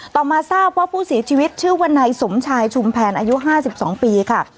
ต่อมาทราบว่าผู้เสียชีวิตชื่อว่านายสมชายชุมแผนอายุ๕๒ปีค่ะ